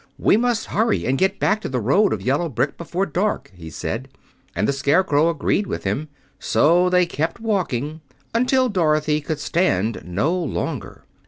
"We must hurry and get back to the road of yellow brick before dark," he said; and the Scarecrow agreed with him. So they kept walking until Dorothy could stand no longer.